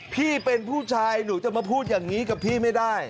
พี่เป็นผู้ชายหนูจะมาพูดอย่างนี้กับพี่ไม่ได้